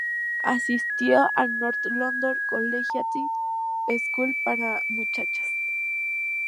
Asistió al North London Collegiate School para Muchachas.